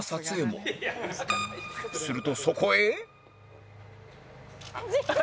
するとそこへ